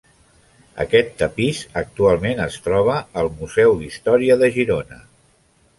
Aquest tapís actualment es troba al Museu d'Història de Girona.